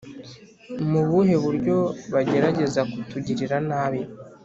Ni mu buhe buryo bagerageza kutugirira nabi?